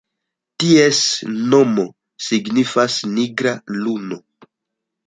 Ties nomo signifas "nigra luno".